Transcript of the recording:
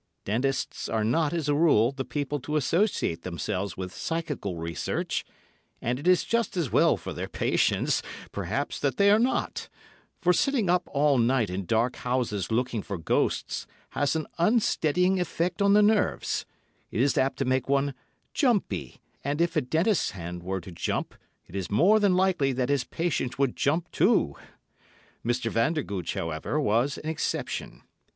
Dentists are not, as a rule, the people to associate themselves with psychical research, and it is just as well for their patients, perhaps, that they are not, for sitting up all night in dark houses looking for ghosts has an unsteadying effect on the nerves—it is apt to make one "jumpy"—and if a dentist's hand were to jump, it is more than likely that his patient would jump too. Mr. Vandergooch, however, was an exception.